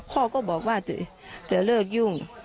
พ่อก็บอกว่าจะเลิกยุ่ง